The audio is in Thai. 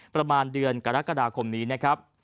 ประมาณเดือนกรกฎาคมนี้นะครับ